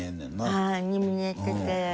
はい。に見えてて。